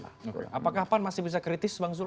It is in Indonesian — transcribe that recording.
apakah pan masih bisa kritis bang zulki